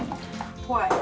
怖い。